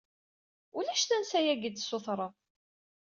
Ulac tansa-agi i d-tessutred.